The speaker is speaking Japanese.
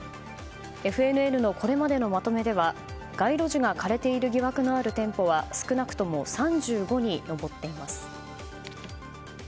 ＦＮＮのこれまでのまとめでは街路樹が枯れている疑惑のある店舗は少なくとも３５に上っています。